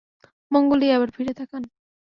মঙ্গলেই আবার ফিরে তাকান।